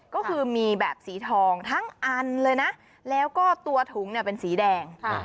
ก็คือมีแบบสีทองทั้งอันเลยนะแล้วก็ตัวถุงเนี่ยเป็นสีแดง